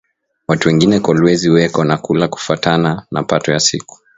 Watu wengine kolwezi weko na kula kufatana na pato ya siku